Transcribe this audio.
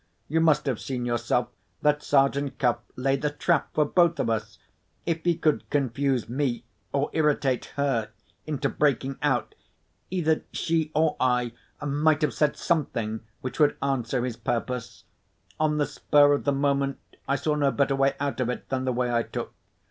You must have seen yourself that Sergeant Cuff laid a trap for both of us. If he could confuse me, or irritate her into breaking out, either she or I might have said something which would answer his purpose. On the spur of the moment, I saw no better way out of it than the way I took.